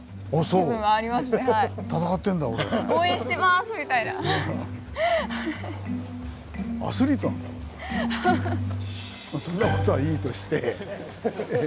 まあそんなことはいいとして。